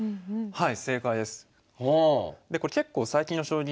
はい。